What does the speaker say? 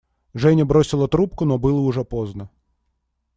Женя бросила трубку, но было уже поздно.